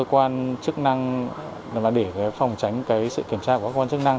cơ quan chức năng để phòng tránh sự kiểm tra của các quan chức năng